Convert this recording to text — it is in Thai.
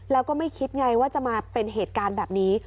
แล้วก็ไม่คิดไงว่าจะมาเป็นเหตุการณ์แบบนี้